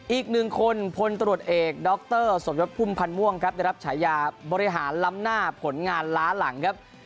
อีกหนึ่งคนพลตรวจเอกดรสมยศพุ่มพันธ์ม่วงครับได้รับฉายาบริหารล้ำหน้าผลงานล้าหลังครับ